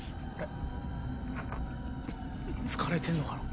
疲れてんのかな。